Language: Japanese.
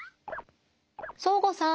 そーごさん！